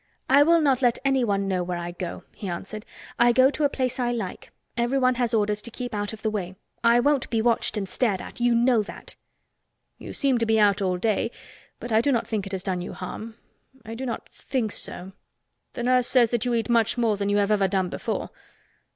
"I will not let anyone know where I go," he answered. "I go to a place I like. Everyone has orders to keep out of the way. I won't be watched and stared at. You know that!" "You seem to be out all day but I do not think it has done you harm—I do not think so. The nurse says that you eat much more than you have ever done before."